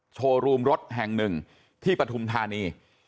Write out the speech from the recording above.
โชว์รูมรถแห่งหนึ่งที่ปฐุมธานี